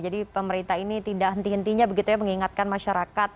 jadi pemerintah ini tidak henti hentinya begitu ya mengingatkan masyarakat